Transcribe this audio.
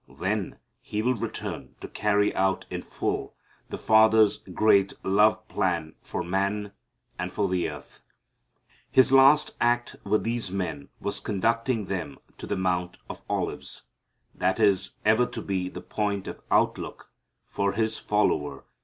Then He will return to carry out in full the Father's great love plan for man and for the earth. His last act with these men was conducting them to the Mount of Olives. That is ever to be the point of outlook for His follower.